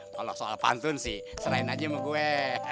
kalo soal pantun sih serain aja sama gue